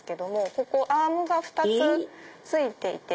ここアームが２つついていて。